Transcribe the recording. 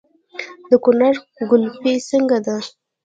د کونړ ګلپي څنګه ده؟